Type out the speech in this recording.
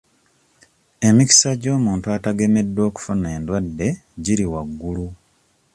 Emikisa gy'omuntu atagameddwa okufuna endwadde giri waggulu.